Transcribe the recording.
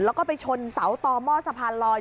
แล้วก็ไปชนเสาต่อหม้อสะพานลอย